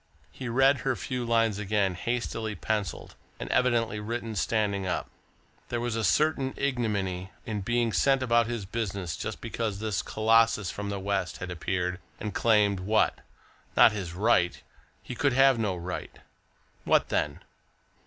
He read her few lines again, hastily pencilled, and evidently written standing up. There was a certain ignominy in being sent about his business, just because this colossus from the West had appeared and claimed what? Not his right! he could have no right! What then?...